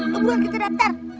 lu buat kita daftar